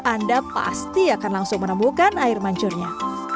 anda pasti akan langsung menemukan air mancurnya